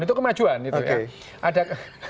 itu kemajuan gitu ya